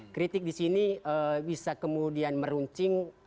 kritik di sini bisa kemudian meruncing